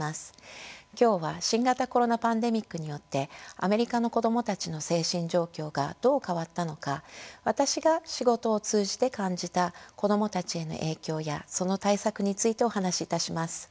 今日は新型コロナパンデミックによってアメリカの子供たちの精神状況がどう変わったのか私が仕事を通じて感じた子供たちへの影響やその対策についてお話しいたします。